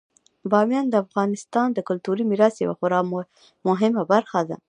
بامیان د افغانستان د کلتوري میراث یوه خورا مهمه برخه ده.